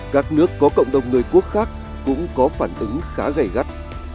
các nước có cộng đồng người quốc khác cũng có phản ứng khá gây gắt